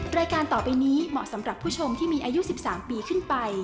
รายการต่อไปนี้เหมาะสำหรับผู้ชมที่มีอายุ๑๓ปีขึ้นไป